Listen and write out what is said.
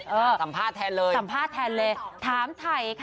สัมภาษณ์แทนเลย